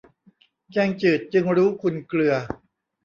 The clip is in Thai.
แกงจืดจึงรู้คุณเกลือ